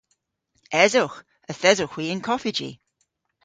Esowgh. Yth esowgh hwi y'n koffiji.